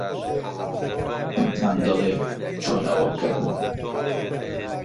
پێتان دەڵێم چۆن ئەوە بکەن.